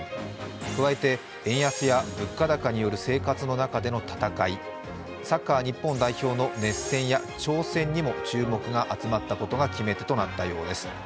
加えて円安や物価高による生活の中での戦い、サッカー日本代表の熱戦や挑戦にも注目が集まったことが決め手となったようです。